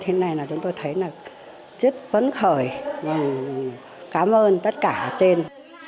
thế này là chúng tôi thấy là rất vấn khởi và cảm ơn tất cả ở trên